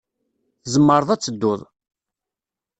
Tzemreḍ ad tedduḍ.